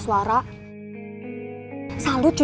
nggak akan cek